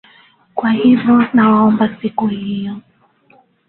Kwa hivyo nawaomba siku hiyo.